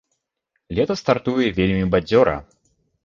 Лета стартуе вельмі бадзёра.